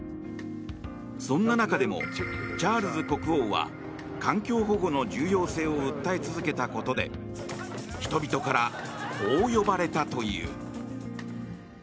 そんな中でも、チャールズ国王は環境保護の重要性を訴え続けたことで人々からこう呼ばれたという。